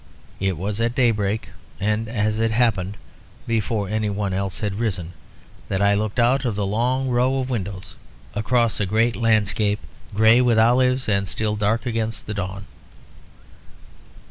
It was at daybreak, and (as it happened) before any one else had risen, that I looked out of the long row of windows across a great landscape grey with olives and still dark against the dawn.